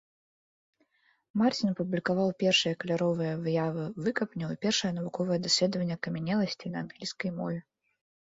Марцін апублікаваў першыя каляровыя выявы выкапняў і першае навуковае даследаванне акамянеласцей на англійскай мове.